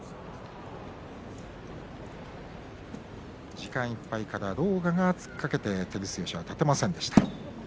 時間いっぱいから狼雅が突っかけて照強、立てませんでした。